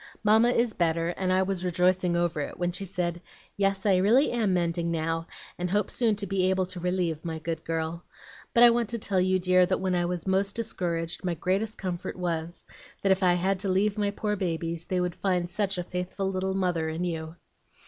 Mamma is better, and I was rejoicing over it, when she said,' Yes, I really am mending now, and hope soon to be able to relieve my good girl. But I want to tell you, dear, that when I was most discouraged my greatest comfort was, that if I had to leave my poor babies they would find such a faithful little mother in you.'